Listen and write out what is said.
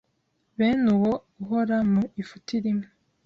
Bene uwo ahora mu ifuti rimwe